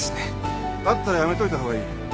だったらやめといた方がいい。